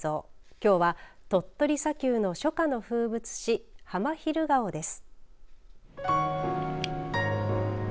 きょうは鳥取砂丘の初夏の風物詩ハマヒルガオです。